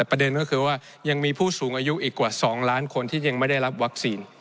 ประเด็นก็คือว่ายังมีผู้สูงอายุอีกกว่า๒ล้านคนที่ยังไม่ได้รับวัคซีน